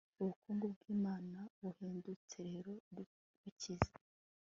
Ubukungu bwImana buhendutse rero bukize